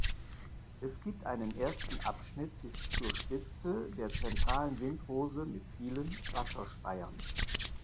Es gibt einen ersten Abschnitt bis zur Spitze der zentralen Windrose mit vielen Wasserspeiern.